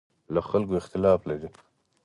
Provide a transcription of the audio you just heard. له خلکو اختلاف لري.